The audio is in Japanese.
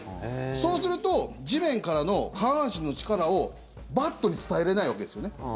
そうすると、地面からの下半身の力をバットに伝えれないわけですよね。